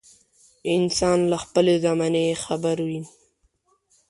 انسان له خپلې زمانې خبر وي.